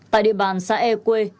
tại địa bàn xã e quê